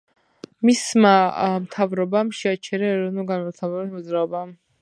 მისმა მთავრობამ შეაჩერა ეროვნულ-განმათავისუფლებელი მოძრაობა.